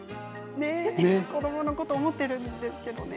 子どものこと思っているんですけどね。